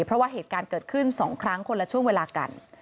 เพราะว่าเหตุการณ์เกิดขึ้น๒ครั้งคนละช่วงเวลากัน